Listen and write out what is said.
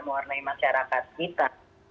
muarnai masyarakat kita